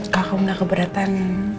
kalau kamu gak keberatan